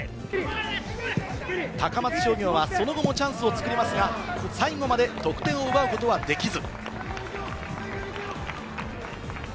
高松商業はその後もチャンスをつくりますが、最後まで得点を奪うことはできず。